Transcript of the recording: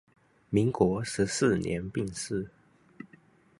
民国十四年病逝。